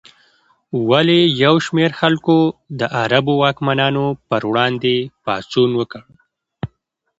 ولې یو شمېر خلکو د عربو واکمنانو پر وړاندې پاڅون وکړ؟